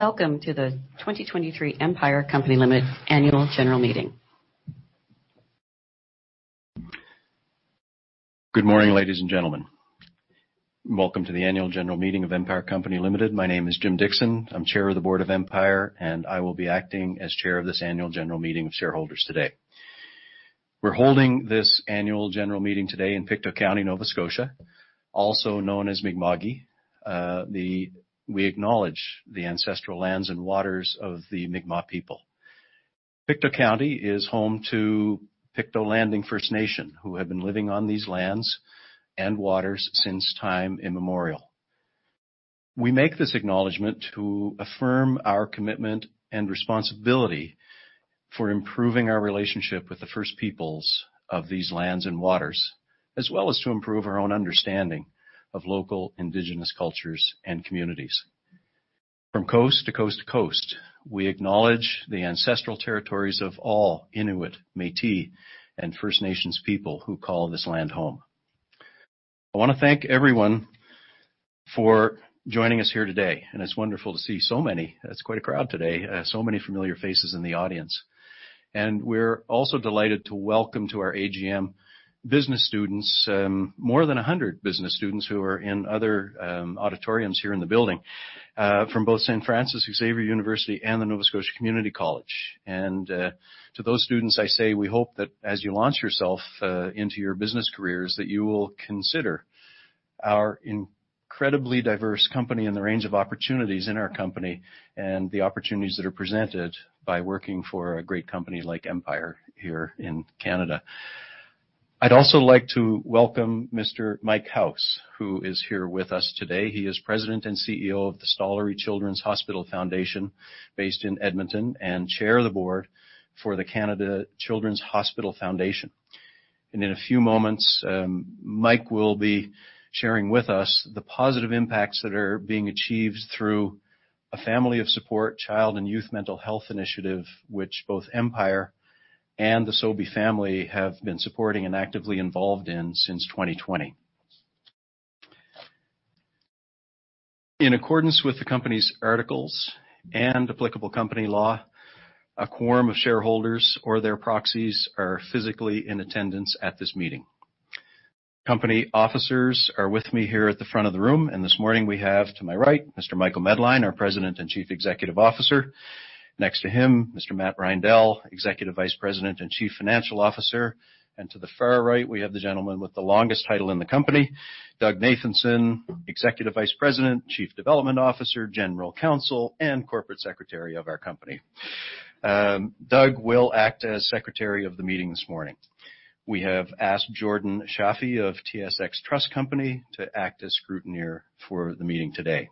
Welcome to the 2023 Empire Company Limited Annual General Meeting. Good morning, ladies and gentlemen. Welcome to the Annual General Meeting of Empire Company Limited. My name is Jim Dickson. I'm Chair of the board of Empire, and I will be acting as Chair of this annual general meeting of shareholders today. We're holding this annual general meeting today in Pictou County, Nova Scotia, also known as Mi'kma'ki. We acknowledge the ancestral lands and waters of the Mi'kmaq people. Pictou County is home to Pictou Landing First Nation, who have been living on these lands and waters since time immemorial. We make this acknowledgment to affirm our commitment and responsibility for improving our relationship with the First Peoples of these lands and waters, as well as to improve our own understanding of local Indigenous cultures and communities. From coast to coast to coast, we acknowledge the ancestral territories of all Inuit, Métis and First Nations people who call this land home. I want to thank everyone for joining us here today, and it's wonderful to see so many. It's quite a crowd today, so many familiar faces in the audience. And we're also delighted to welcome to our AGM business students, more than 100 business students who are in other auditoriums here in the building, from both St. Francis Xavier University and the Nova Scotia Community College. And, to those students, I say we hope that as you launch yourself into your business careers, that you will consider our incredibly diverse company and the range of opportunities in our company, and the opportunities that are presented by working for a great company like Empire here in Canada. I'd also like to welcome Mr. Mike House, who is here with us today. He is President and CEO of the Stollery Children's Hospital Foundation, based in Edmonton, and chair of the board for Canada's Children's Hospital Foundations. In a few moments, Mike will be sharing with us the positive impacts that are being achieved through a Family of Support, Child and Youth Mental Health Initiative, which both Empire and the Sobey family have been supporting and actively involved in since 2020. In accordance with the company's articles and applicable company law, a quorum of shareholders or their proxies are physically in attendance at this meeting. Company officers are with me here at the front of the room, and this morning we have, to my right, Mr. Michael Medline, our President and Chief Executive Officer. Next to him, Mr. Matt Reindel, Executive Vice President and Chief Financial Officer. And to the far right, we have the gentleman with the longest title in the company, Doug Nathanson, Executive Vice President, Chief Development Officer, General Counsel, and Corporate Secretary of our company. Doug will act as secretary of the meeting this morning. We have asked Jordan Chicken of TSX Trust Company to act as scrutineer for the meeting today.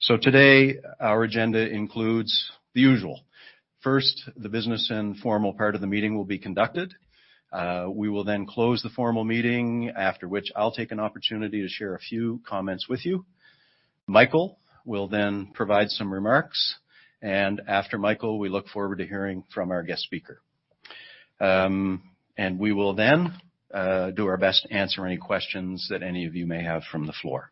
So today, our agenda includes the usual. First, the business and formal part of the meeting will be conducted. We will then close the formal meeting, after which I'll take an opportunity to share a few comments with you. Michael will then provide some remarks, and after Michael, we look forward to hearing from our guest speaker. And we will then do our best to answer any questions that any of you may have from the floor.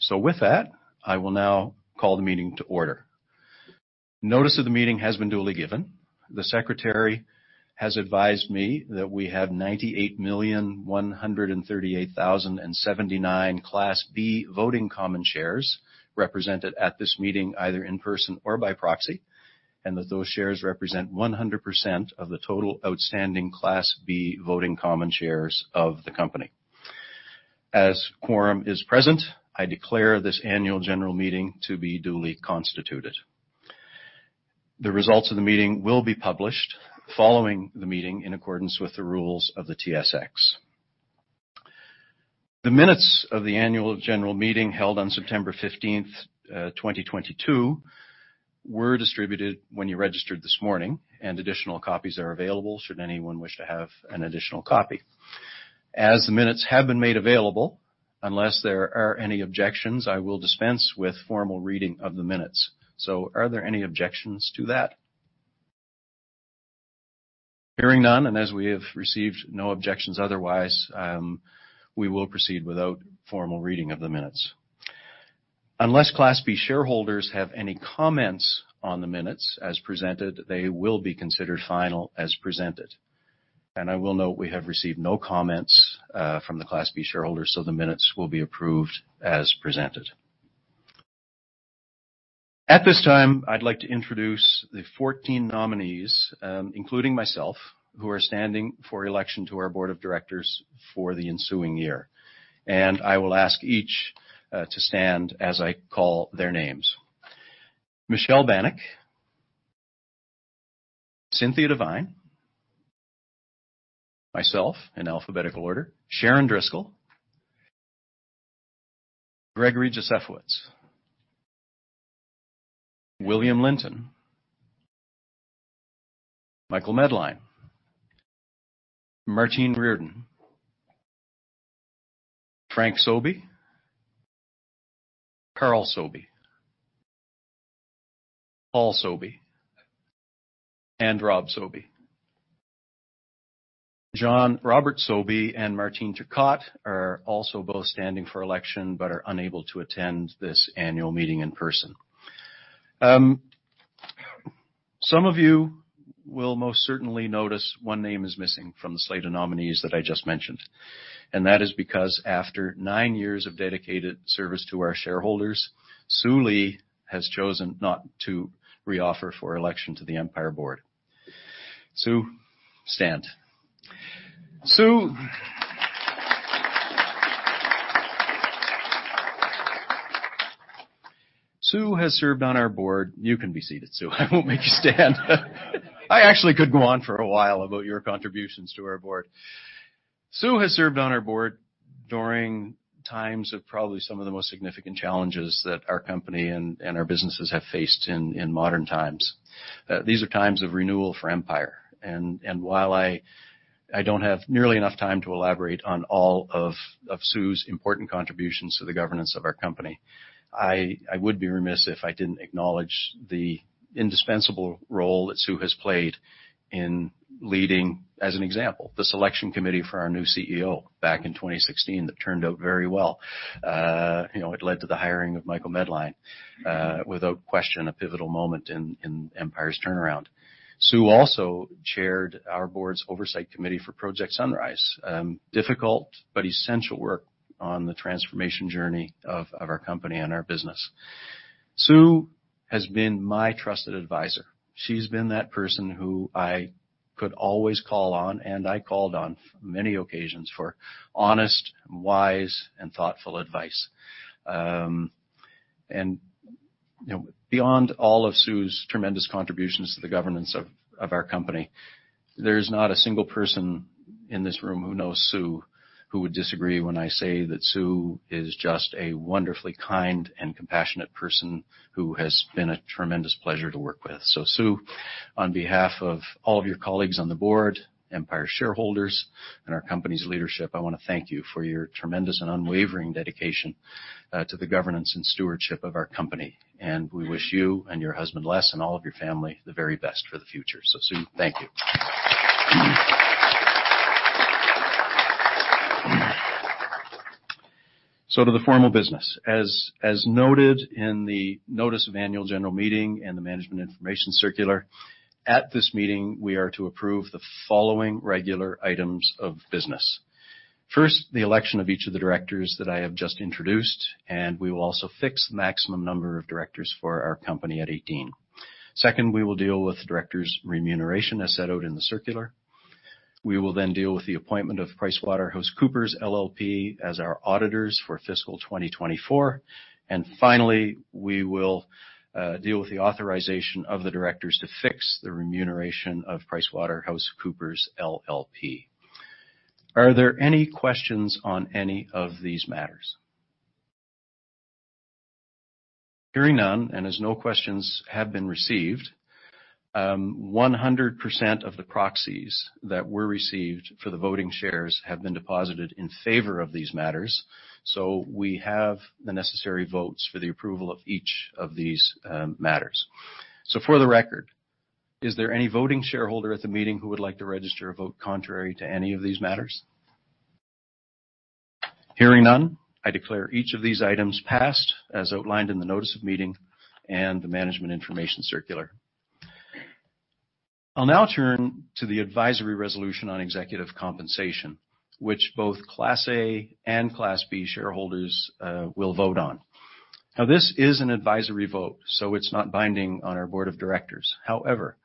So with that, I will now call the meeting to order. Notice of the meeting has been duly given. The secretary has advised me that we have 98,138,079 Class B voting common shares represented at this meeting, either in person or by proxy, and that those shares represent 100% of the total outstanding Class B voting common shares of the company. As quorum is present, I declare this annual general meeting to be duly constituted. The results of the meeting will be published following the meeting, in accordance with the rules of the TSX. The minutes of the annual general meeting held on September fifteenth, 2022, were distributed when you registered this morning, and additional copies are available should anyone wish to have an additional copy. As the minutes have been made available, unless there are any objections, I will dispense with formal reading of the minutes. So are there any objections to that? Hearing none, and as we have received no objections otherwise, we will proceed without formal reading of the minutes. Unless Class B shareholders have any comments on the minutes as presented, they will be considered final as presented. I will note, we have received no comments from the Class B shareholders, so the minutes will be approved as presented. At this time, I'd like to introduce the 14 nominees, including myself, who are standing for election to our board of directors for the ensuing year, and I will ask each to stand as I call their names. Michelle Banik, Cynthia Devine, myself, in alphabetical order, Sharon Driscoll, Gregory Josefowicz, William Linton, Michael Medline, Martine Reardon, Frank Sobey, Karl Sobey, Paul Sobey, and Rob Sobey.... John Zamparo, Robert Sobey and Martine Turcotte are also both standing for election, but are unable to attend this annual meeting in person. Some of you will most certainly notice one name is missing from the slate of nominees that I just mentioned, and that is because after nine years of dedicated service to our shareholders, Sue Lee has chosen not to reoffer for election to the Empire Board. Sue, stand. Sue has served on our board.... You can be seated, Sue. I won't make you stand. I actually could go on for a while about your contributions to our board. Sue has served on our board during times of probably some of the most significant challenges that our company and our businesses have faced in modern times. These are times of renewal for Empire, and while I don't have nearly enough time to elaborate on all of Sue's important contributions to the governance of our company, I would be remiss if I didn't acknowledge the indispensable role that Sue has played in leading, as an example, the selection committee for our new CEO back in 2016. That turned out very well. You know, it led to the hiring of Michael Medline, without question, a pivotal moment in Empire's turnaround. Sue also chaired our board's oversight committee for Project Sunrise. Difficult but essential work on the transformation journey of our company and our business. Sue has been my trusted advisor. She's been that person who I could always call on, and I called on many occasions for honest, wise, and thoughtful advice. And, you know, beyond all of Sue's tremendous contributions to the governance of our company, there's not a single person in this room who knows Sue, who would disagree when I say that Sue is just a wonderfully kind and compassionate person who has been a tremendous pleasure to work with. So, Sue, on behalf of all of your colleagues on the board, Empire shareholders, and our company's leadership, I want to thank you for your tremendous and unwavering dedication to the governance and stewardship of our company. And we wish you and your husband, Les, and all of your family, the very best for the future. So, Sue, thank you. So to the formal business. As noted in the notice of annual general meeting and the Management Information Circular, at this meeting, we are to approve the following regular items of business. First, the election of each of the directors that I have just introduced, and we will also fix the maximum number of directors for our company at 18. Second, we will deal with the directors' remuneration as set out in the circular. We will then deal with the appointment of PricewaterhouseCoopers LLP as our auditors for fiscal 2024. And finally, we will deal with the authorization of the directors to fix the remuneration of PricewaterhouseCoopers LLP. Are there any questions on any of these matters? Hearing none and as no questions have been received, 100% of the proxies that were received for the voting shares have been deposited in favor of these matters. So we have the necessary votes for the approval of each of these matters. So for the record, is there any voting shareholder at the meeting who would like to register a vote contrary to any of these matters? Hearing none, I declare each of these items passed as outlined in the notice of meeting and the Management Information Circular. I'll now turn to the advisory resolution on executive compensation, which both Class A and Class B shareholders will vote on. Now, this is an advisory vote, so it's not binding on our board of directors. However,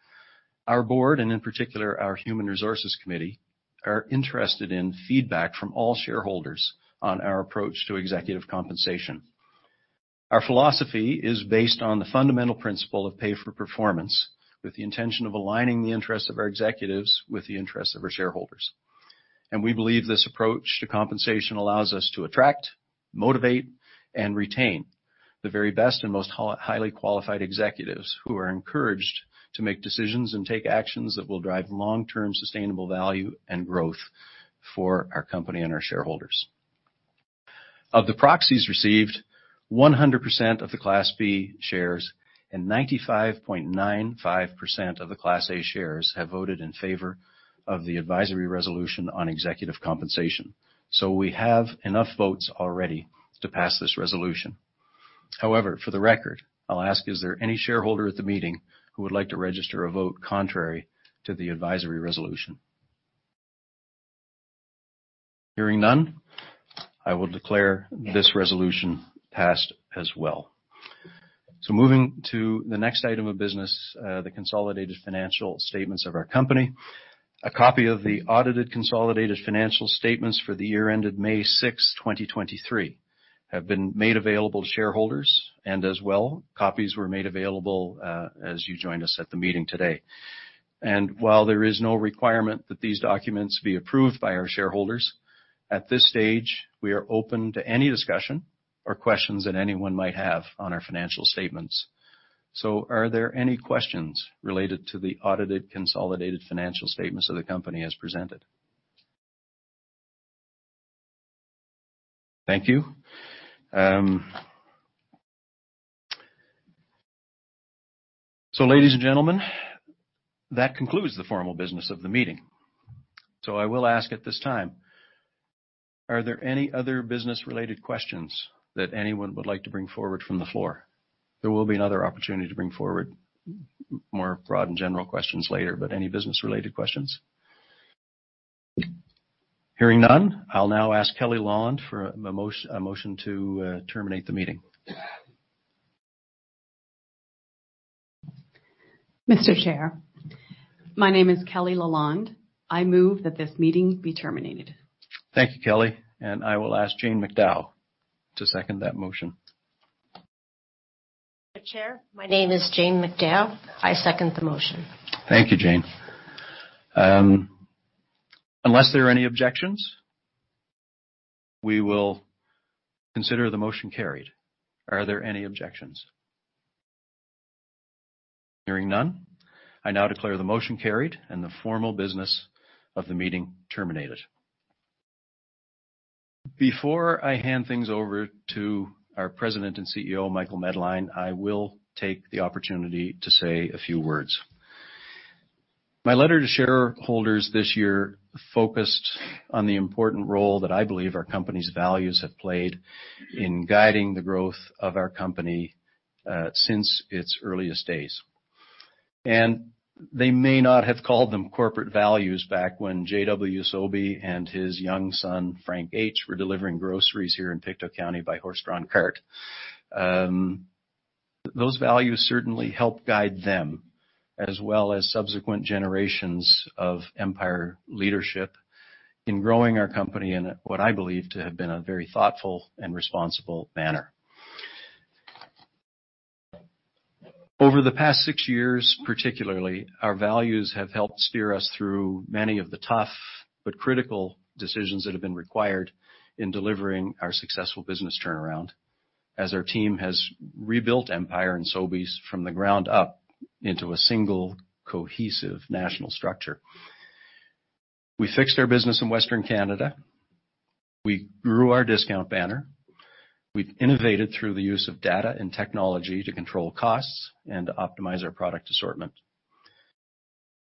our board, and in particular our Human Resources Committee, are interested in feedback from all shareholders on our approach to executive compensation. Our philosophy is based on the fundamental principle of pay for performance, with the intention of aligning the interests of our executives with the interests of our shareholders. We believe this approach to compensation allows us to attract, motivate, and retain the very best and most highly qualified executives who are encouraged to make decisions and take actions that will drive long-term sustainable value and growth for our company and our shareholders. Of the proxies received, 100% of the Class B shares and 95.95% of the Class A shares have voted in favor of the advisory resolution on executive compensation. We have enough votes already to pass this resolution. However, for the record, I'll ask, is there any shareholder at the meeting who would like to register a vote contrary to the advisory resolution? Hearing none, I will declare this resolution passed as well. Moving to the next item of business, the consolidated financial statements of our company. A copy of the audited consolidated financial statements for the year ended May 6, 2023, have been made available to shareholders, and as well, copies were made available as you joined us at the meeting today. While there is no requirement that these documents be approved by our shareholders, at this stage, we are open to any discussion or questions that anyone might have on our financial statements. So are there any questions related to the audited consolidated financial statements that the company has presented? Thank you. Ladies and gentlemen, that concludes the formal business of the meeting. I will ask at this time, are there any other business-related questions that anyone would like to bring forward from the floor? There will be another opportunity to bring forward more broad and general questions later, but any business-related questions? Hearing none, I'll now ask Kelly Lalonde for a motion to terminate the meeting. Mr. Chair, my name is Kelly Lalonde. I move that this meeting be terminated. Thank you, Kelly, and I will ask Jane McDowell to second that motion. Mr. Chair, my name is Jane McDowell. I second the motion. Thank you, Jane. Unless there are any objections, we will consider the motion carried. Are there any objections? Hearing none, I now declare the motion carried and the formal business of the meeting terminated. Before I hand things over to our President and CEO, Michael Medline, I will take the opportunity to say a few words. My letter to shareholders this year focused on the important role that I believe our company's values have played in guiding the growth of our company, since its earliest days. They may not have called them corporate values back when J.W. Sobey and his young son, Frank H, were delivering groceries here in Pictou County by horse-drawn cart. Those values certainly helped guide them, as well as subsequent generations of Empire leadership in growing our company in what I believe to have been a very thoughtful and responsible manner. Over the past six years, particularly, our values have helped steer us through many of the tough but critical decisions that have been required in delivering our successful business turnaround, as our team has rebuilt Empire and Sobeys from the ground up into a single, cohesive national structure. We fixed our business in Western Canada. We grew our discount banner. We've innovated through the use of data and technology to control costs and to optimize our product assortment.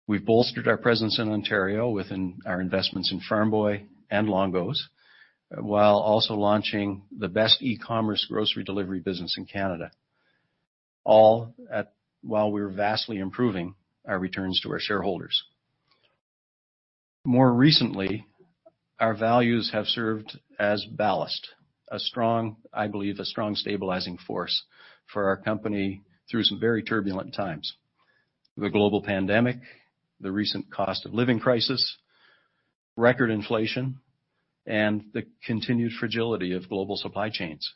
We've bolstered our presence in Ontario within our investments in Farm Boy and Longo's, while also launching the best e-commerce grocery delivery business in Canada, all at, while we were vastly improving our returns to our shareholders. More recently, our values have served as ballast, a strong, I believe, stabilizing force for our company through some very turbulent times: the global pandemic, the recent cost of living crisis, record inflation, and the continued fragility of global supply chains,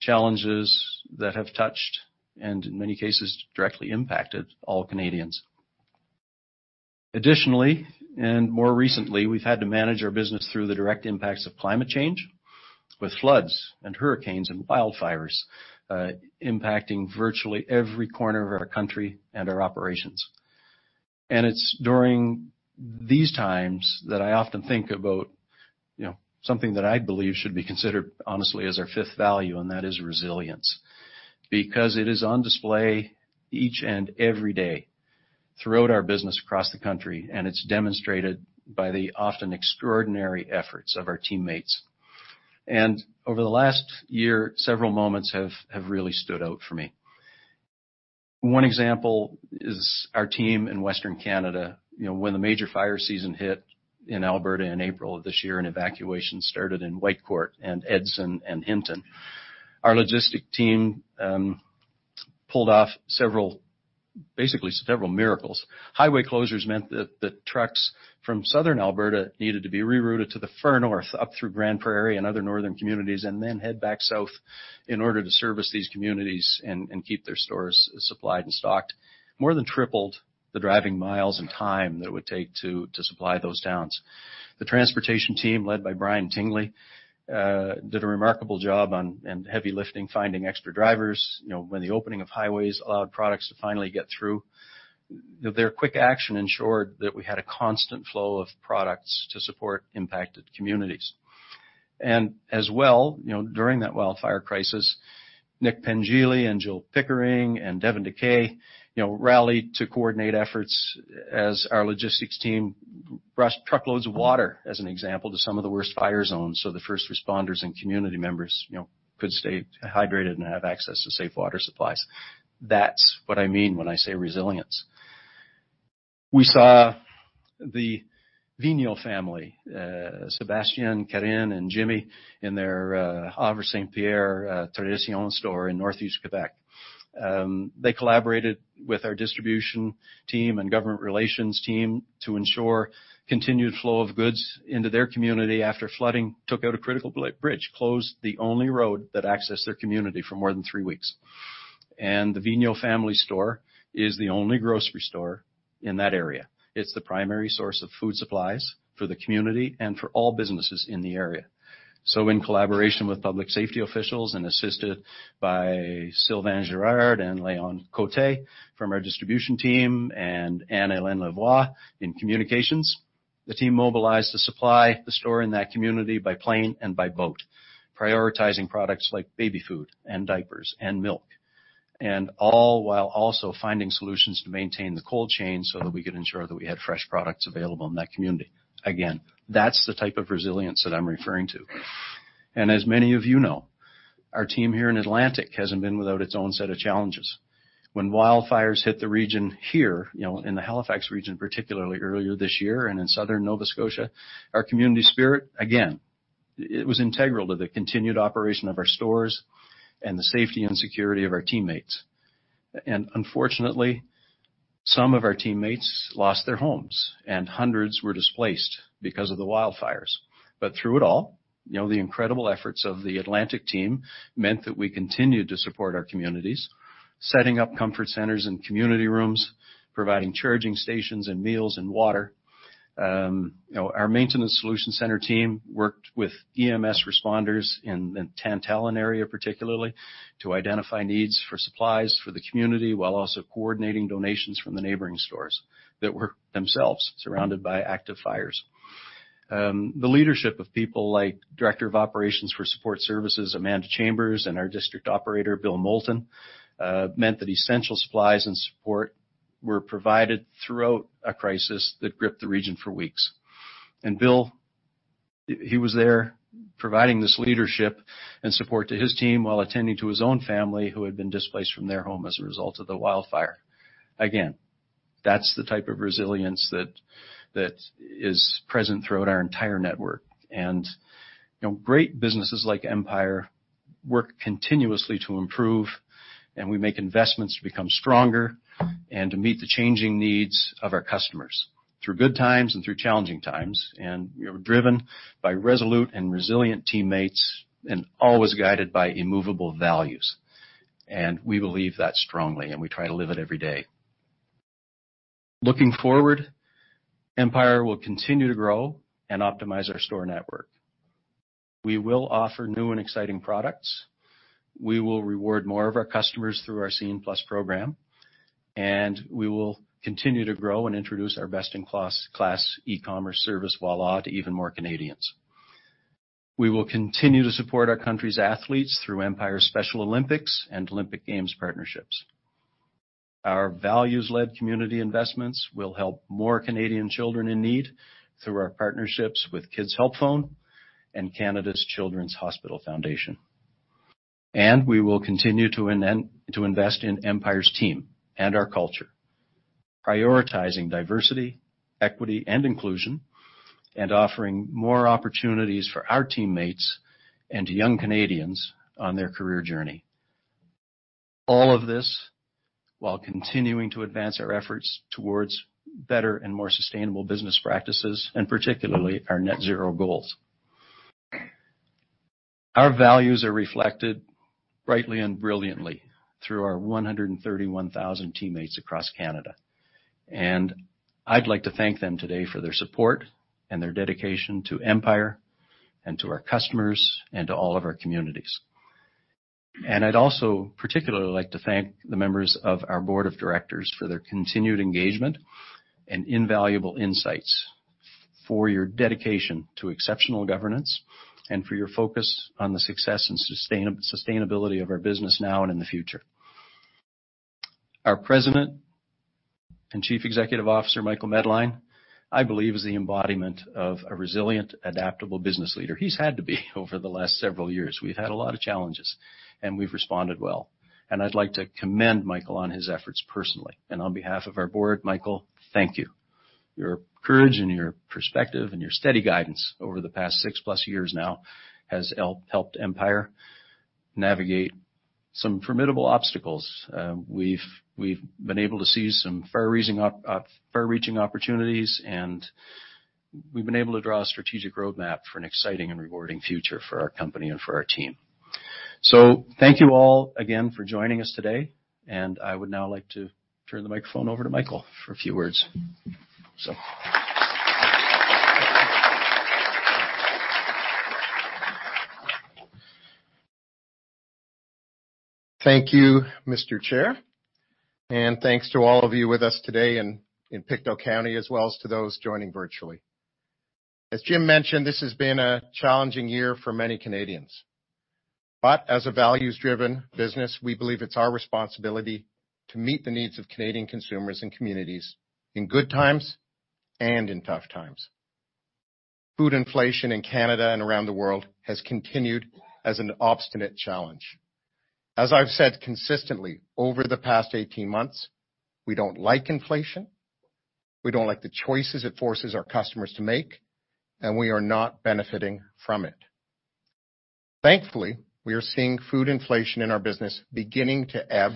challenges that have touched and, in many cases, directly impacted all Canadians. Additionally, and more recently, we've had to manage our business through the direct impacts of climate change, with floods and hurricanes and wildfires impacting virtually every corner of our country and our operations. It's during these times that I often think about, you know, something that I believe should be considered honestly as our fifth value, and that is resilience, because it is on display each and every day throughout our business across the country, and it's demonstrated by the often extraordinary efforts of our teammates. And over the last year, several moments have really stood out for me. One example is our team in Western Canada. You know, when the major fire season hit in Alberta in April of this year, and evacuations started in Whitecourt and Edson and Hinton, our logistics team pulled off several, basically several miracles. Highway closures meant that the trucks from southern Alberta needed to be rerouted to the far north, up through Grande Prairie and other northern communities, and then head back south in order to service these communities and keep their stores supplied and stocked. More than tripled the driving miles and time that it would take to supply those towns. The transportation team, led by Brian Tingley, did a remarkable job and heavy lifting, finding extra drivers, you know, when the opening of highways allowed products to finally get through. Their quick action ensured that we had a constant flow of products to support impacted communities. As well, you know, during that wildfire crisis, Nick Penney and Jill Pickering and Devin DeCae, you know, rallied to coordinate efforts as our logistics team rushed truckloads of water, as an example, to some of the worst fire zones, so the first responders and community members, you know, could stay hydrated and have access to safe water supplies. That's what I mean when I say resilience. We saw the Vigneault family, Sébastien, Karianne, and Jimmy, in their Havre-Saint-Pierre Tradition store in northeast Quebec. They collaborated with our distribution team and government relations team to ensure continued flow of goods into their community after flooding took out a critical bridge, closed the only road that accessed their community for more than three weeks. And the Vigneault family store is the only grocery store in that area. It's the primary source of food supplies for the community and for all businesses in the area. So in collaboration with public safety officials and assisted by Sylvain Guérard and Léon Côté from our distribution team, and Anne-Hélène Lavoie in communications... The team mobilized to supply the store in that community by plane and by boat, prioritizing products like baby food and diapers and milk, and all while also finding solutions to maintain the cold chain so that we could ensure that we had fresh products available in that community. Again, that's the type of resilience that I'm referring to. And as many of you know, our team here in Atlantic hasn't been without its own set of challenges. When wildfires hit the region here, you know, in the Halifax region, particularly earlier this year and in southern Nova Scotia, our community spirit, again, it was integral to the continued operation of our stores and the safety and security of our teammates. Unfortunately, some of our teammates lost their homes, and hundreds were displaced because of the wildfires. Through it all, you know, the incredible efforts of the Atlantic team meant that we continued to support our communities, setting up comfort centers and community rooms, providing charging stations and meals and water. You know, our Maintenance Solution Center team worked with EMS responders in the Tantallon area, particularly to identify needs for supplies for the community, while also coordinating donations from the neighboring stores that were themselves surrounded by active fires. The leadership of people like Director of Operations for Support Services, Amanda Chambers, and our District Operator, Bill Moulton, meant that essential supplies and support were provided throughout a crisis that gripped the region for weeks. And Bill, he was there providing this leadership and support to his team while attending to his own family, who had been displaced from their home as a result of the wildfire. Again, that's the type of resilience that is present throughout our entire network. And, you know, great businesses like Empire work continuously to improve, and we make investments to become stronger and to meet the changing needs of our customers through good times and through challenging times, and we are driven by resolute and resilient teammates and always guided by immovable values. And we believe that strongly, and we try to live it every day. Looking forward, Empire will continue to grow and optimize our store network. We will offer new and exciting products, we will reward more of our customers through our Scene+ program, and we will continue to grow and introduce our best-in-class e-commerce service, Voilà, to even more Canadians. We will continue to support our country's athletes through Empire Special Olympics and Olympic Games partnerships. Our values-led community investments will help more Canadian children in need through our partnerships with Kids Help Phone and Canada's Children's Hospital Foundation. And we will continue to invest in Empire's team and our culture, prioritizing diversity, equity, and inclusion, and offering more opportunities for our teammates and to young Canadians on their career journey. All of this while continuing to advance our efforts towards better and more sustainable business practices, and particularly, our net zero goals. Our values are reflected brightly and brilliantly through our 131,000 teammates across Canada, and I'd like to thank them today for their support and their dedication to Empire and to our customers, and to all of our communities. I'd also particularly like to thank the members of our board of directors for their continued engagement and invaluable insights, for your dedication to exceptional governance, and for your focus on the success and sustainability of our business now and in the future. Our President and Chief Executive Officer, Michael Medline, I believe, is the embodiment of a resilient, adaptable business leader. He's had to be over the last several years. We've had a lot of challenges, and we've responded well. I'd like to commend Michael on his efforts personally and on behalf of our board, Michael, thank you. Your courage and your perspective and your steady guidance over the past six plus years now has helped Empire navigate some formidable obstacles. We've been able to see some far-reaching opportunities, and we've been able to draw a strategic roadmap for an exciting and rewarding future for our company and for our team. So thank you all again for joining us today, and I would now like to turn the microphone over to Michael for a few words, so. Thank you, Mr. Chair, and thanks to all of you with us today in Pictou County, as well as to those joining virtually. As Jim mentioned, this has been a challenging year for many Canadians, but as a values-driven business, we believe it's our responsibility to meet the needs of Canadian consumers and communities in good times and in tough times. Food inflation in Canada and around the world has continued as an obstinate challenge. As I've said consistently over the past 18 months, we don't like inflation, we don't like the choices it forces our customers to make, and we are not benefiting from it. Thankfully, we are seeing food inflation in our business beginning to ebb,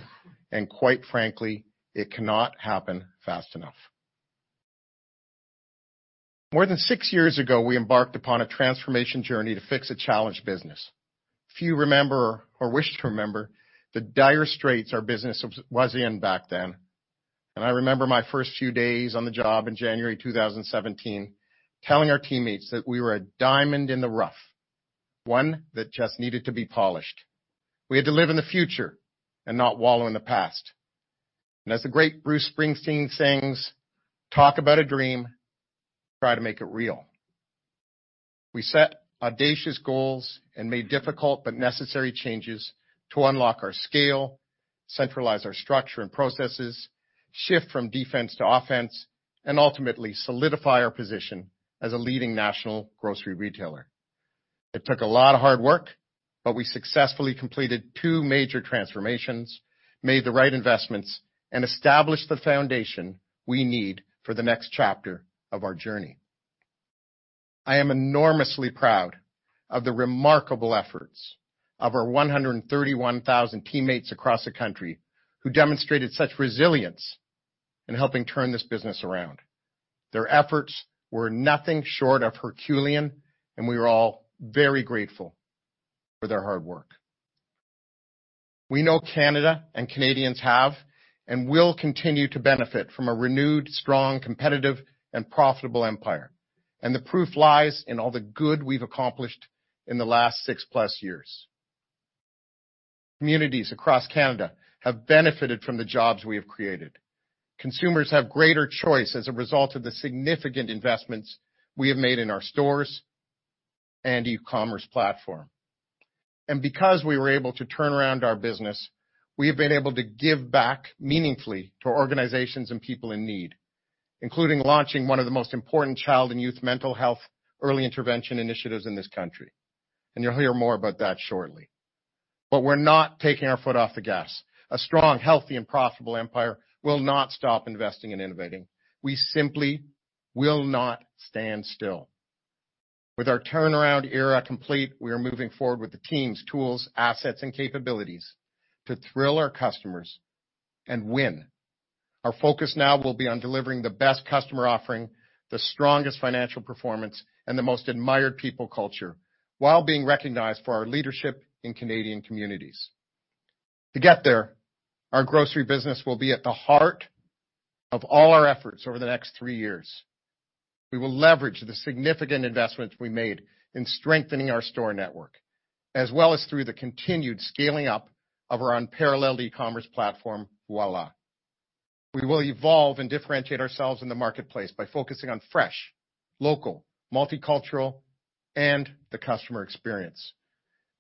and quite frankly, it cannot happen fast enough. More than six years ago, we embarked upon a transformation journey to fix a challenged business. Few remember or wish to remember the dire straits our business was in back then, and I remember my first few days on the job in January 2017, telling our teammates that we were a diamond in the rough, one that just needed to be polished. We had to live in the future and not wallow in the past.... And as the great Bruce Springsteen sings: "Talk about a dream, try to make it real." We set audacious goals and made difficult but necessary changes to unlock our scale, centralize our structure and processes, shift from defense to offense, and ultimately solidify our position as a leading national grocery retailer. It took a lot of hard work, but we successfully completed two major transformations, made the right investments, and established the foundation we need for the next chapter of our journey. I am enormously proud of the remarkable efforts of our 131,000 teammates across the country, who demonstrated such resilience in helping turn this business around. Their efforts were nothing short of Herculean, and we are all very grateful for their hard work. We know Canada and Canadians have and will continue to benefit from a renewed, strong, competitive and profitable Empire, and the proof lies in all the good we've accomplished in the last six plus years. Communities across Canada have benefited from the jobs we have created. Consumers have greater choice as a result of the significant investments we have made in our stores and e-commerce platform. Because we were able to turn around our business, we have been able to give back meaningfully to organizations and people in need, including launching one of the most important child and youth mental health early intervention initiatives in this country. You'll hear more about that shortly. We're not taking our foot off the gas. A strong, healthy, and profitable Empire will not stop investing and innovating. We simply will not stand still. With our turnaround era complete, we are moving forward with the teams, tools, assets, and capabilities to thrill our customers and win. Our focus now will be on delivering the best customer, offering the strongest financial performance and the most admired people culture, while being recognized for our leadership in Canadian communities. To get there, our grocery business will be at the heart of all our efforts over the next three years. We will leverage the significant investments we made in strengthening our store network, as well as through the continued scaling up of our unparalleled e-commerce platform, Voilà. We will evolve and differentiate ourselves in the marketplace by focusing on fresh, local, multicultural, and the customer experience.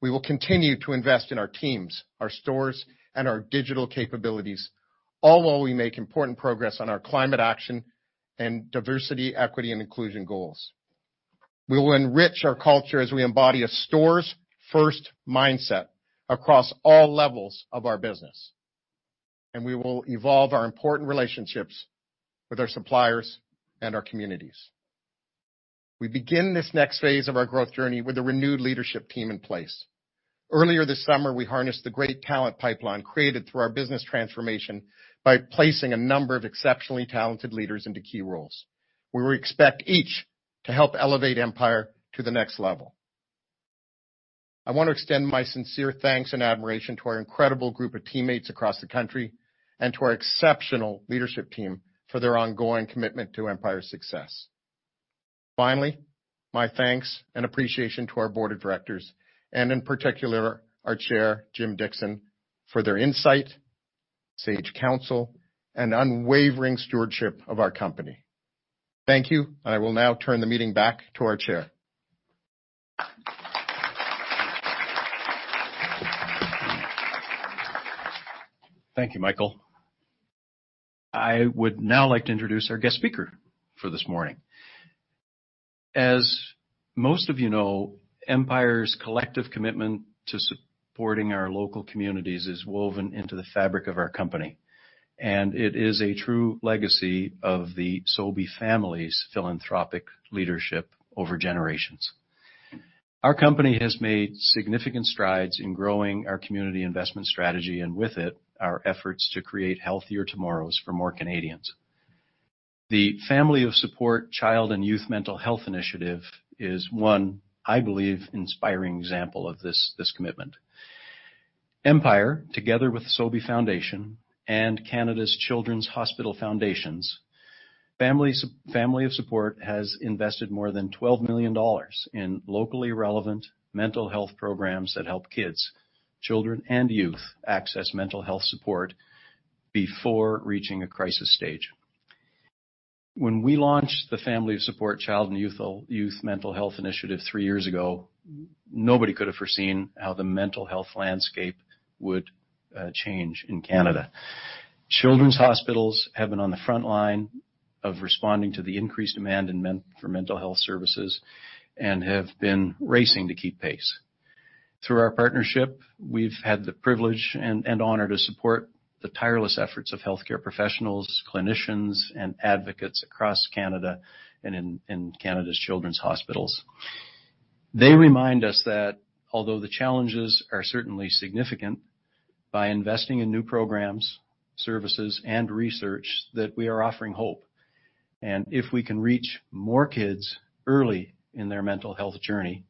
We will continue to invest in our teams, our stores, and our digital capabilities, all while we make important progress on our climate action and diversity, equity, and inclusion goals. We will enrich our culture as we embody a stores first mindset across all levels of our business, and we will evolve our important relationships with our suppliers and our communities. We begin this next phase of our growth journey with a renewed leadership team in place. Earlier this summer, we harnessed the great talent pipeline created through our business transformation by placing a number of exceptionally talented leaders into key roles. We expect each to help elevate Empire to the next level. I want to extend my sincere thanks and admiration to our incredible group of teammates across the country and to our exceptional leadership team for their ongoing commitment to Empire's success. Finally, my thanks and appreciation to our board of directors, and in particular, our chair, Jim Dickson, for their insight, sage counsel, and unwavering stewardship of our company. Thank you. I will now turn the meeting back to our chair. Thank you, Michael. I would now like to introduce our guest speaker for this morning. As most of you know, Empire's collective commitment to supporting our local communities is woven into the fabric of our company, and it is a true legacy of the Sobey family's philanthropic leadership over generations. Our company has made significant strides in growing our community investment strategy and with it, our efforts to create healthier tomorrows for more Canadians. The Family of Support Child and Youth Mental Health Initiative is one, I believe, inspiring example of this, this commitment. Empire, together with Sobey Foundation and Canada's Children's Hospital Foundations, Family, Family of Support has invested more than 12 million dollars in locally relevant mental health programs that help kids, children, and youth access mental health support before reaching a crisis stage. When we launched the Family of Support Child and Youth Mental Health Initiative three years ago, nobody could have foreseen how the mental health landscape would change in Canada. Children's hospitals have been on the front line of responding to the increased demand for mental health services and have been racing to keep pace. Through our partnership, we've had the privilege and honor to support the tireless efforts of healthcare professionals, clinicians, and advocates across Canada and in Canada's children's hospitals. They remind us that although the challenges are certainly significant, by investing in new programs, services, and research, that we are offering hope. And if we can reach more kids early in their mental health journey,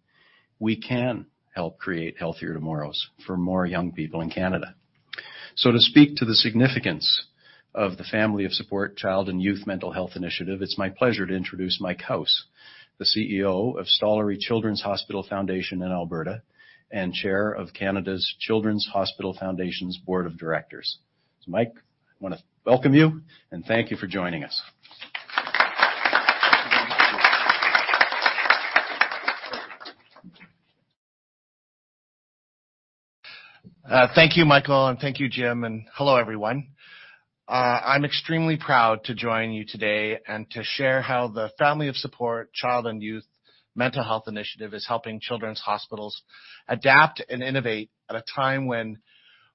we can help create healthier tomorrows for more young people in Canada. So to speak to the significance of the Family of Support Child and Youth Mental Health Initiative, it's my pleasure to introduce Mike House, the CEO of Stollery Children's Hospital Foundation in Alberta, and chair of Canada's Children's Hospital Foundation's board of directors. So, Mike, I wanna welcome you and thank you for joining us. Thank you, Michael, and thank you, Jim, and hello, everyone. I'm extremely proud to join you today and to share how the Family of Support: Child and Youth Mental Health Initiative is helping children's hospitals adapt and innovate at a time when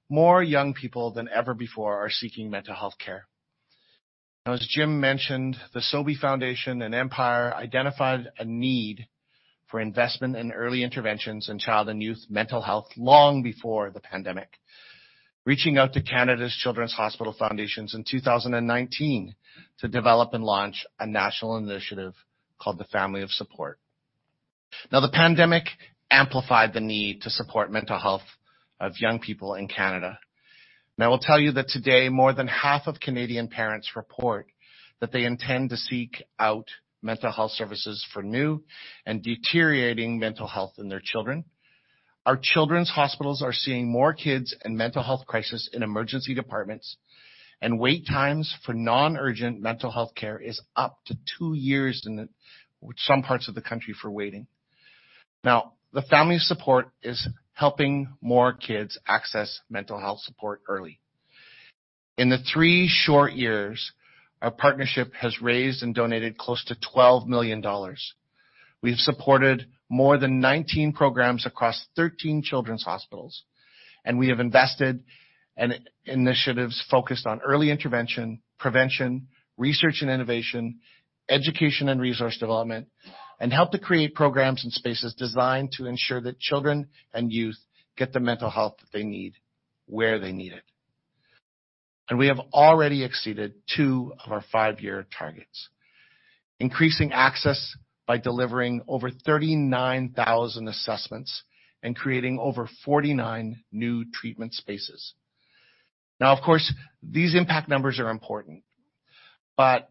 more young people than ever before are seeking mental health care. Now, as Jim mentioned, the Sobey Foundation and Empire identified a need for investment in early interventions in child and youth mental health long before the pandemic, reaching out to Canada's Children's Hospital Foundations in 2019 to develop and launch a national initiative called the Family of Support. Now, the pandemic amplified the need to support mental health of young people in Canada. Now, I will tell you that today, more than half of Canadian parents report that they intend to seek out mental health services for new and deteriorating mental health in their children. Our children's hospitals are seeing more kids in mental health crisis in emergency departments, and wait times for non-urgent mental health care is up to two years in the, some parts of the country for waiting. Now, the Family of Support is helping more kids access mental health support early. In the three short years, our partnership has raised and donated close to 12 million dollars. We've supported more than 19 programs across 13 children's hospitals, and we have invested in initiatives focused on early intervention, prevention, research and innovation, education and resource development, and helped to create programs and spaces designed to ensure that children and youth get the mental health that they need, where they need it. We have already exceeded two of our five-year targets, increasing access by delivering over 39,000 assessments and creating over 49 new treatment spaces. Now, of course, these impact numbers are important, but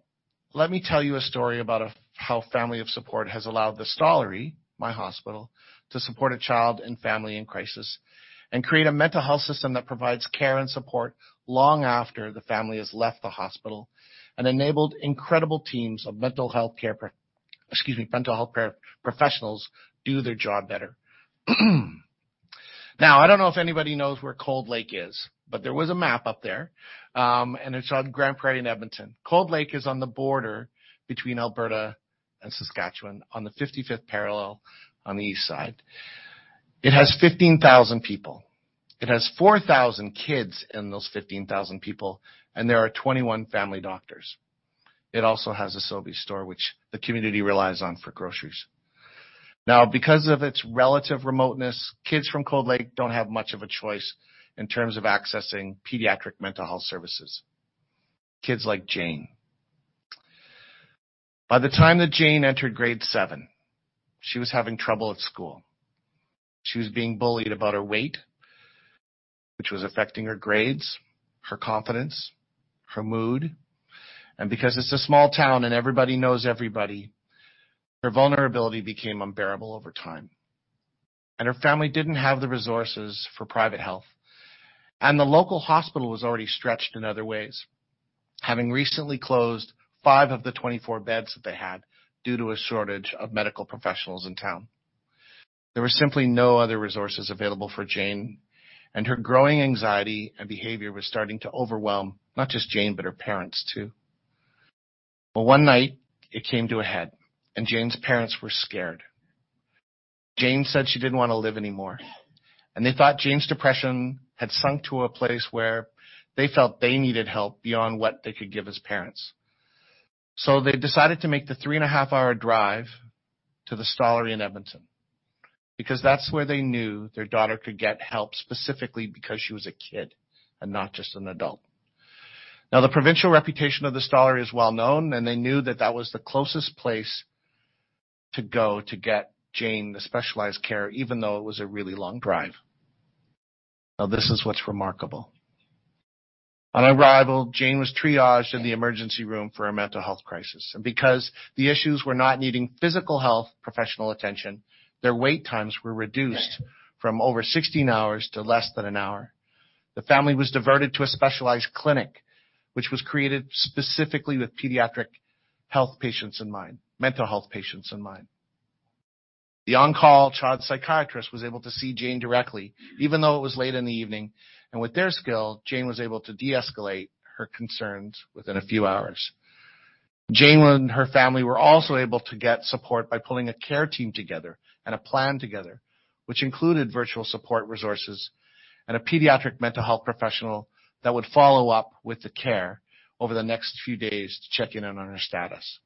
let me tell you a story about how Family of Support has allowed the Stollery, my hospital, to support a child and family in crisis and create a mental health system that provides care and support long after the family has left the hospital and enabled incredible teams of mental health care professionals do their job better. Now, I don't know if anybody knows where Cold Lake is, but there was a map up there, and it's on Grande Prairie in Edmonton. Cold Lake is on the border between Alberta and Saskatchewan, on the 55th parallel on the east side. It has 15,000 people. It has 4,000 kids in those 15,000 people, and there are 21 family doctors. It also has a Sobeys store, which the community relies on for groceries. Now, because of its relative remoteness, kids from Cold Lake don't have much of a choice in terms of accessing pediatric mental health services. Kids like Jane. By the time that Jane entered grade seven, she was having trouble at school. She was being bullied about her weight, which was affecting her grades, her confidence, her mood, and because it's a small town and everybody knows everybody, her vulnerability became unbearable over time, and her family didn't have the resources for private health, and the local hospital was already stretched in other ways, having recently closed five of the 24 beds that they had due to a shortage of medical professionals in town. There were simply no other resources available for Jane, and her growing anxiety and behavior was starting to overwhelm, not just Jane, but her parents, too. Well, one night it came to a head, and Jane's parents were scared. Jane said she didn't want to live anymore, and they thought Jane's depression had sunk to a place where they felt they needed help beyond what they could give as parents. So they decided to make the 3.5-hour drive to the Stollery in Edmonton, because that's where they knew their daughter could get help, specifically because she was a kid and not just an adult. Now, the provincial reputation of the Stollery is well known, and they knew that that was the closest place to go to get Jane the specialized care, even though it was a really long drive. Now, this is what's remarkable. On arrival, Jane was triaged in the emergency room for a mental health crisis, and because the issues were not needing physical health professional attention, their wait times were reduced from over 16 hours to less than an hour. The family was diverted to a specialized clinic, which was created specifically with pediatric health patients in mind, mental health patients in mind. The on-call child psychiatrist was able to see Jane directly, even though it was late in the evening, and with their skill, Jane was able to de-escalate her concerns within a few hours. Jane and her family were also able to get support by pulling a care team together and a plan together, which included virtual support resources and a pediatric mental health professional that would follow up with the care over the next few days to check in on her status.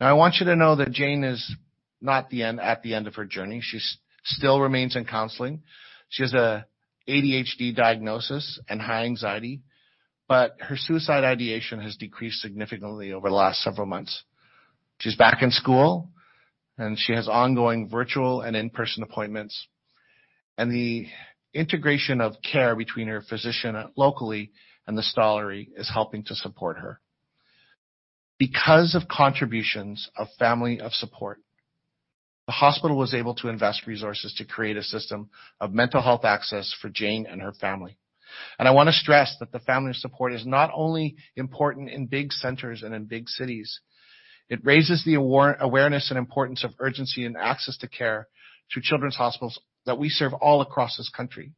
Now, I want you to know that Jane is not the end, at the end of her journey. She still remains in counseling. She has an ADHD diagnosis and high anxiety, but her suicide ideation has decreased significantly over the last several months. She's back in school, and she has ongoing virtual and in-person appointments, and the integration of care between her physician locally and the Stollery is helping to support her. Because of contributions of Family of Support, the hospital was able to invest resources to create a system of mental health access for Jane and her family. I want to stress that the family support is not only important in big centers and in big cities, it raises the awareness and importance of urgency and access to care to children's hospitals that we serve all across this country.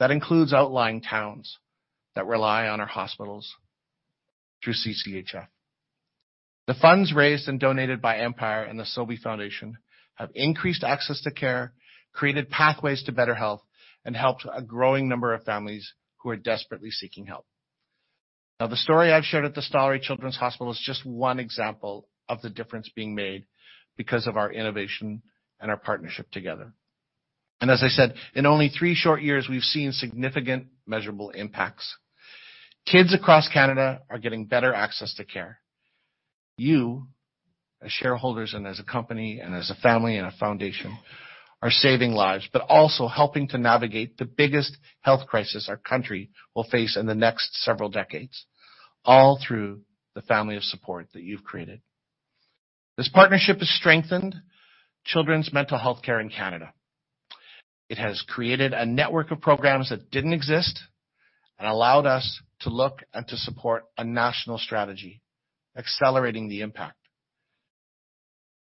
That includes outlying towns that rely on our hospitals through CCHF. The funds raised and donated by Empire and the Sobey Foundation have increased access to care, created pathways to better health, and helped a growing number of families who are desperately seeking help. Now, the story I've shared at the Stollery Children's Hospital is just one example of the difference being made because of our innovation and our partnership together. And as I said, in only three short years, we've seen significant measurable impacts. Kids across Canada are getting better access to care. You, as shareholders and as a company and as a family and a foundation, are saving lives, but also helping to navigate the biggest health crisis our country will face in the next several decades, all through the Family of Support that you've created. This partnership has strengthened children's mental health care in Canada. It has created a network of programs that didn't exist and allowed us to look and to support a national strategy, accelerating the impact.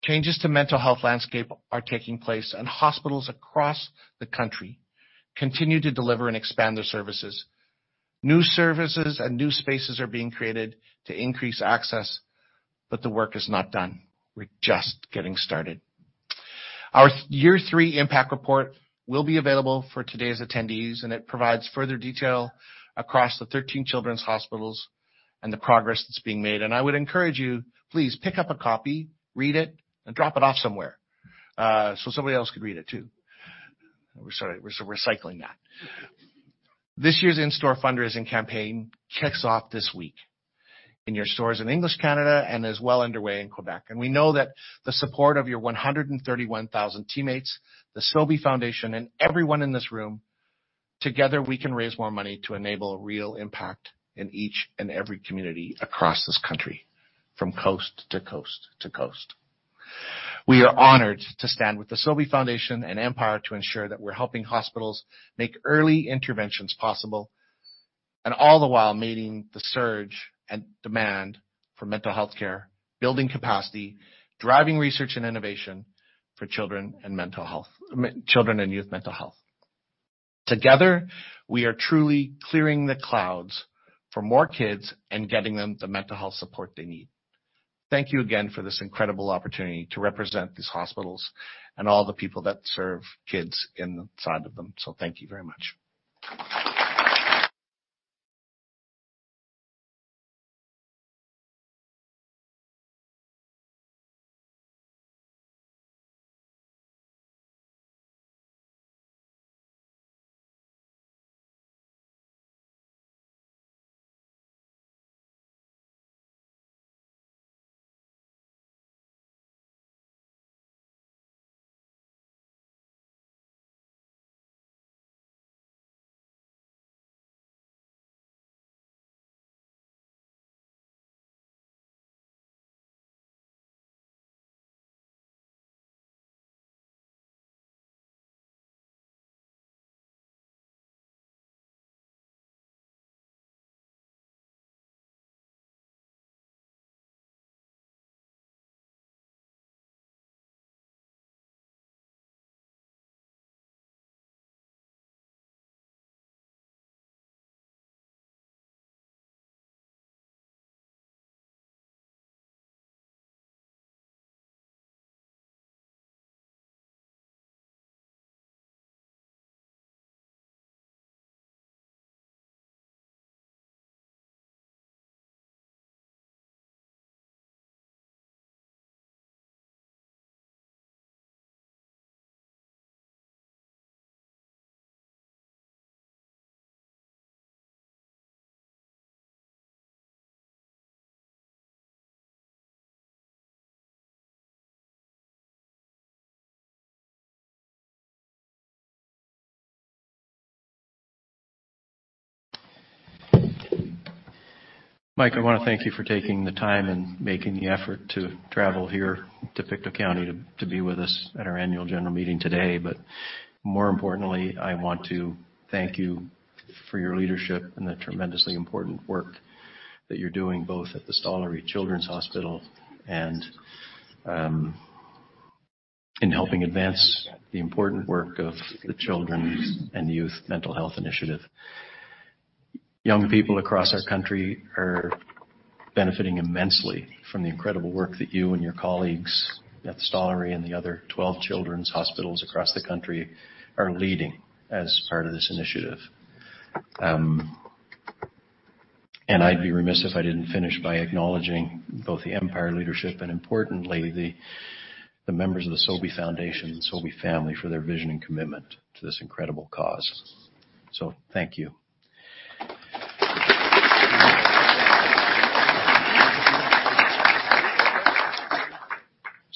Changes to mental health landscape are taking place, and hospitals across the country continue to deliver and expand their services. New services and new spaces are being created to increase access, but the work is not done. We're just getting started. Our year three impact report will be available for today's attendees, and it provides further detail across the 13 children's hospitals and the progress that's being made. I would encourage you, please pick up a copy, read it, and drop it off somewhere so somebody else could read it, too. We're sort of, we're recycling that. This year's in-store fundraising campaign kicks off this week in your stores in English Canada, and is well underway in Quebec. We know that the support of your 131,000 teammates, the Sobey Foundation, and everyone in this room, together, we can raise more money to enable a real impact in each and every community across this country, from coast to coast to coast. We are honored to stand with the Sobey Foundation and Empire to ensure that we're helping hospitals make early interventions possible, and all the while meeting the surge and demand for mental health care, building capacity, driving research and innovation for children and mental health, children and youth mental health. Together, we are truly clearing the clouds for more kids and getting them the mental health support they need. Thank you again for this incredible opportunity to represent these hospitals and all the people that serve kids inside of them. Thank you very much.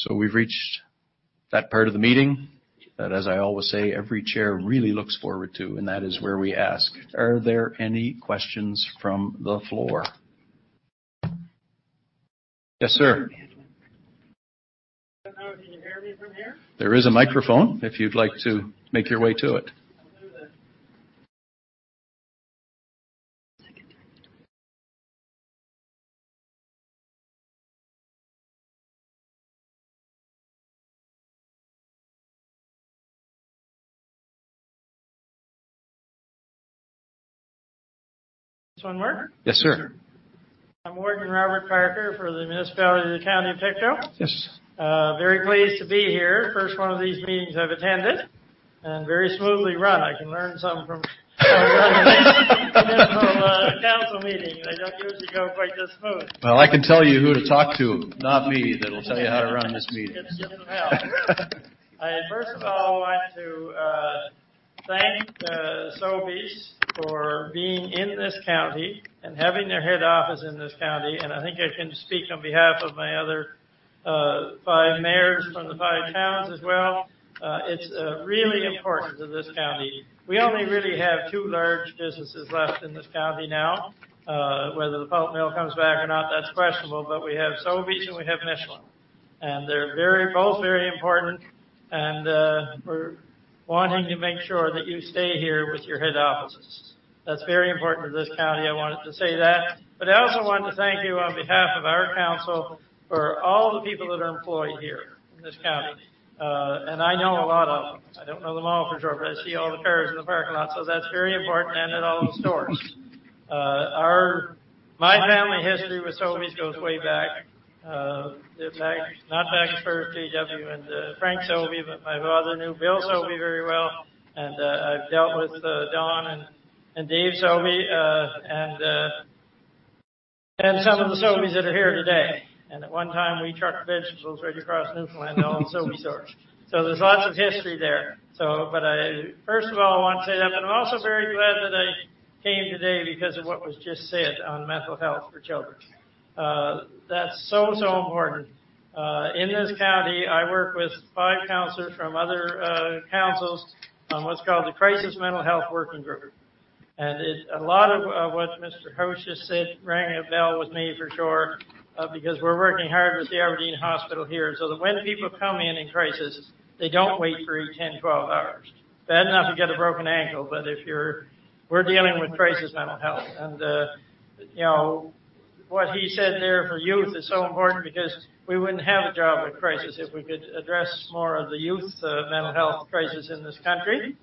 We've reached that part of the meeting that, as I always say, every chair really looks forward to, and that is where we ask, are there any questions from the floor?... Yes, sir. Can you hear me from here? There is a microphone if you'd like to make your way to it. I'll do that. This one work? Yes, sir. I'm Warden Robert Parker for the Municipality of the County of Pictou. Yes. Very pleased to be here. First one of these meetings I've attended, and very smoothly run. I can learn something from a council meeting. They don't usually go quite this smooth. Well, I can tell you who to talk to, not me, that'll tell you how to run this meeting. It's just how. I, first of all, want to thank Sobeys for being in this county and having their head office in this county, and I think I can speak on behalf of my other five mayors from the five towns as well. It's really important to this county. We only really have two large businesses left in this county now. Whether the pulp mill comes back or not, that's questionable, but we have Sobeys, and we have Michelin, and they're very both very important, and we're wanting to make sure that you stay here with your head offices. That's very important to this county, I wanted to say that. But I also wanted to thank you on behalf of our council for all the people that are employed here in this county. And I know a lot of them. I don't know them all for sure, but I see all the cars in the parking lot, so that's very important, and in all the stores. My family history with Sobeys goes way back. In fact, not back as far as J.W. and Frank Sobey, but my father knew Bill Sobey very well, and I've dealt with Don and Dave Sobey, and some of the Sobeys that are here today. And at one time, we trucked vegetables right across Newfoundland to all the Sobey stores. So there's lots of history there. So but I... First of all, I want to say that, but I'm also very glad that I came today because of what was just said on mental health for children. That's so, so important. In this county, I work with five counselors from other councils on what's called the Crisis Mental Health Working Group. And it, a lot of what Mr. House just said rang a bell with me for sure, because we're working hard with the Aberdeen Hospital here, so that when people come in in crisis, they don't wait for 10, 12 hours. Bad enough to get a broken ankle, but if you're, we're dealing with crisis mental health and, you know, what he said there for youth is so important because we wouldn't have a job with crisis if we could address more of the youth mental health crisis in this country.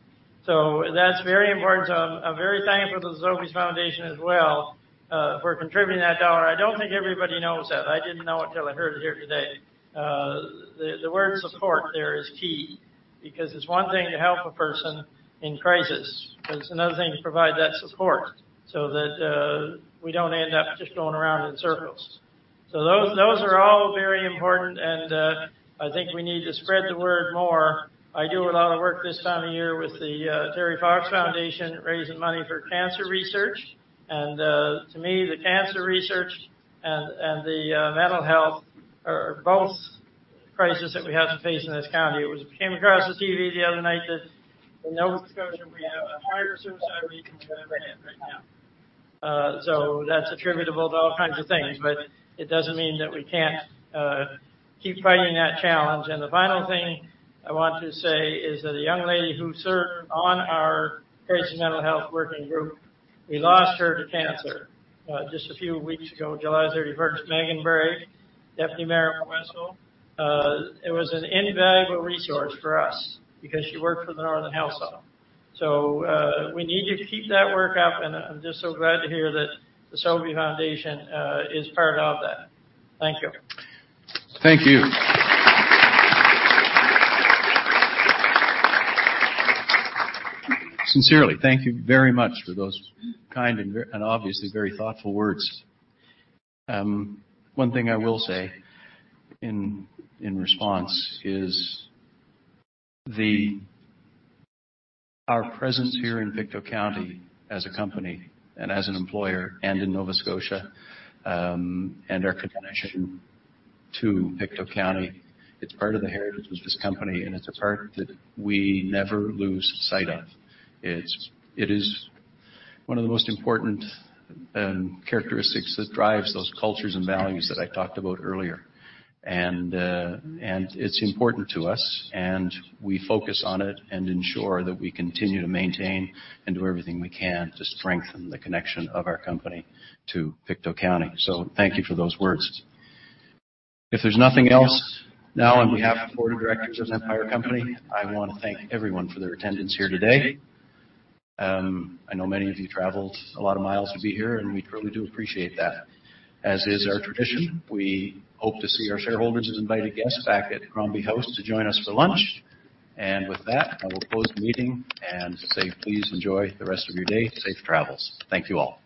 So that's very important. So I'm, I'm very thankful to the Sobey Foundation as well, for contributing that dollar. I don't think everybody knows that. I didn't know it till I heard it here today. The word support there is key because it's one thing to help a person in crisis, but it's another thing to provide that support so that we don't end up just going around in circles. So those are all very important, and I think we need to spread the word more. I do a lot of work this time of year with the Terry Fox Foundation, raising money for cancer research. To me, the cancer research and the mental health are both crisis that we have to face in this county. It came across the TV the other night that in Nova Scotia, we have a higher suicide rate than we ever had right now. So that's attributable to all kinds of things, but it doesn't mean that we can't keep fighting that challenge. And the final thing I want to say is that a young lady who served on our Crisis Mental Health Working Group, we lost her to cancer, just a few weeks ago, July 31st. Meghan Berry, Deputy Mayor of Westville. It was an invaluable resource for us because she worked for the Northern Health Zone. So, we need you to keep that work up, and I'm just so glad to hear that the Sobey Foundation is part of that. Thank you. Thank you. Sincerely, thank you very much for those kind and obviously very thoughtful words. One thing I will say in response is our presence here in Pictou County as a company and as an employer and in Nova Scotia, and our connection to Pictou County, it's part of the heritage of this company, and it's a part that we never lose sight of. It is one of the most important characteristics that drives those cultures and values that I talked about earlier. And it's important to us, and we focus on it and ensure that we continue to maintain and do everything we can to strengthen the connection of our company to Pictou County. So thank you for those words. If there's nothing else, now, on behalf of the board of directors of Empire Company, I want to thank everyone for their attendance here today. I know many of you traveled a lot of miles to be here, and we truly do appreciate that. As is our tradition, we hope to see our shareholders and invited guests back at Crombie House to join us for lunch. With that, I will close the meeting and say please enjoy the rest of your day. Safe travels. Thank you all.